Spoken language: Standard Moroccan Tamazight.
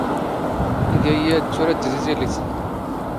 ⵉⴳⴰ ⵉⵢⵉ ⴰⴷⴷⵓⵔ ⴰⴷ ⴷⵉⴷⵉ ⵜⵉⵍⵉⵜ.